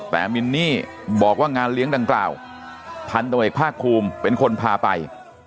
แต่มินนี่บอกว่างานเลี้ยงดังกล่าวพันธบทเอกภาคภูมิเป็นคนพาไป